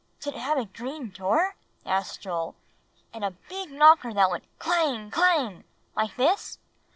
"Did it have a green door?" asked Joel, "and a big knocker that went clang clang like this?"